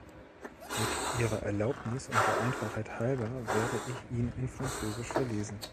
Mit Ihrer Erlaubnis und der Einfachheit halber werde ich ihn in Französisch verlesen.